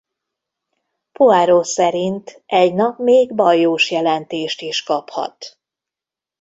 Poirot szerint egy nap még baljós jelentést is kaphat.